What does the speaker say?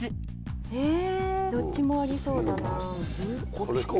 こっちかな